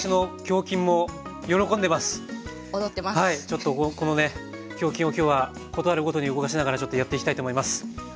ちょっとこのね胸筋を今日は事あるごとに動かしながらちょっとやっていきたいと思います。